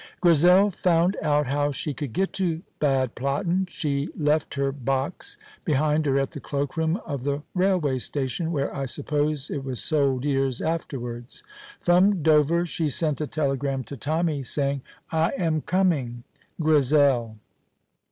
Grizel found out how she could get to Bad Platten. She left her box behind her at the cloakroom of the railway station, where I suppose it was sold years afterwards. From Dover she sent a telegram to Tommy, saying: "I am coming. GRIZEL."